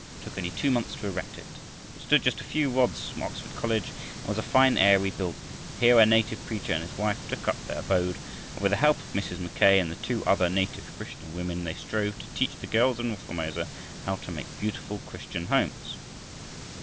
It took only two months to erect it. It stood just a few rods from Oxford College, and was a fine, airy building. Here a native preacher and his wife took up their abode and with the help of Mrs. Mackay and two other native Christian women they strove to teach the girls of north Formosa how to make beautiful Christian homes.